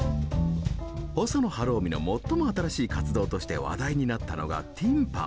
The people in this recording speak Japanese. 細野晴臣の最も新しい活動として話題になったのがＴｉｎＰａｎ。